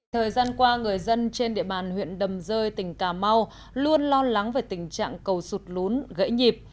thời gian qua người dân trên địa bàn huyện đầm rơi tỉnh cà mau luôn lo lắng về tình trạng cầu sụt lún gãy nhịp